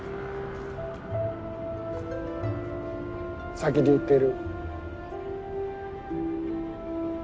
先に行ってる。